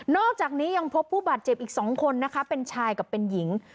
อกจากนี้ยังพบผู้บาดเจ็บอีก๒คนนะคะเป็นชายกับเป็นหญิง